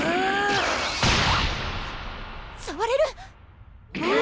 触れる！